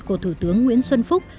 của thủ tướng nguyễn xuân phúc